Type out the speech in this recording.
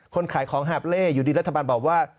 ขายของหาบเล่อยู่ดีรัฐบาลบอกว่า